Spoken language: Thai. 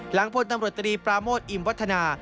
พลตำรวจตรีปราโมทอิมวัฒนา